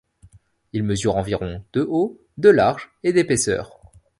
Il mesure environ de haut, de large et d'épaisseur.